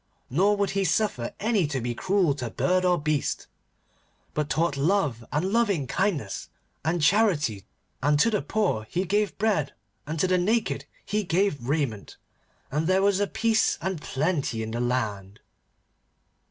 Nor would he suffer any to be cruel to bird or beast, but taught love and loving kindness and charity, and to the poor he gave bread, and to the naked he gave raiment, and there was peace and plenty in the land.